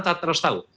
kita harus tahu